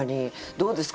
どうですか？